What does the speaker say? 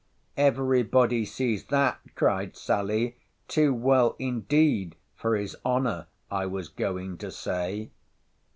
—— Every body sees that, cried Sally—too well, indeed, for his honour, I was going to say.